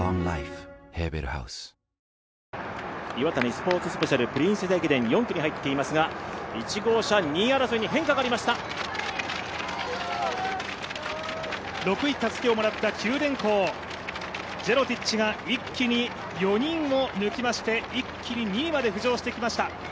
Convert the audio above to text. Ｉｗａｔａｎｉスポーツスペシャル・プリンセス駅伝、４区に入っていますが、１号車、２位争いに変化がありました６位でたすきをもらった中電工、ジェロティッチが一気に４人を抜きまして、一気に２位まで浮上してきました。